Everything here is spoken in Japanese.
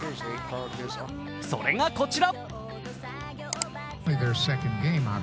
それがこちら。